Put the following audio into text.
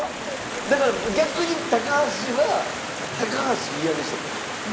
だから逆に高橋は高橋嫌でしたもん。